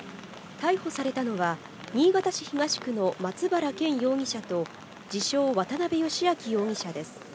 逮捕されたのは、新潟市東区の松原健容疑者と、自称、渡部美誠容疑者です。